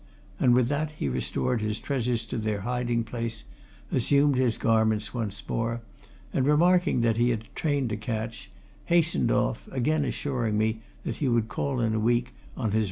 And with that he restored his treasures to their hiding place, assumed his garments once more, and remarking that he had a train to catch, hastened off, again assuring me that he would call in a week, on his return from the North.